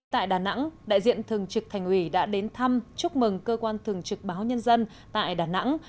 tại đà nẵng đại diện thường trực thành ủy đã đến thăm chúc mừng cơ quan thường trực báo nhân dân tại đà nẵng